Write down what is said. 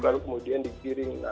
lalu kemudian dikirim